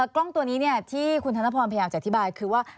กล้องตัวนี้ที่คุณธนพรพยายามจะอธิบายคือว่า